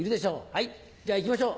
はいじゃあいきましょう。